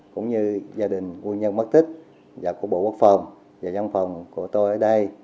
quân nhân bất tích và của bộ quốc phòng và giam phòng của tôi ở đây